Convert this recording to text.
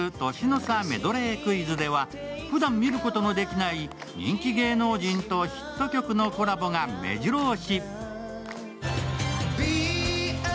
名曲メドレークイズではふだん見ることのできない人気芸能人とヒット曲のコラボがめじろ押し。